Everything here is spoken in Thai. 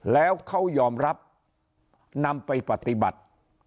แล้วเขายอมรับนำไปปฏิบัติ